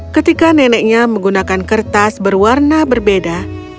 ketika neneknya menggunakan kertas berwarna berbeda